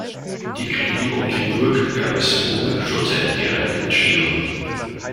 Die Gräben um die Burg gab es wohl schon seit deren Entstehung.